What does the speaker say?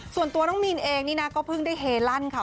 ส่วนตัวน้องมีนเองนี่นะก็เพิ่งได้เฮลั่นค่ะ